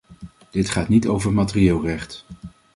Dit gaat niet over materieel recht.